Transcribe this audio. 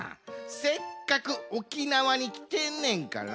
せっかく沖縄にきてんねんから。